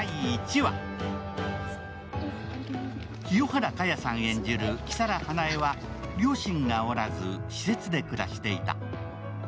清原果耶さん演じる木皿花枝は両親がおらず施設で暮らしていた。